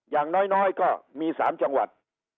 อย่างน้อยก็มี๓จังหวัด